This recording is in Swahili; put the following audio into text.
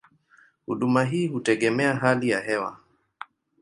Huduma hii hutegemea hali ya hewa.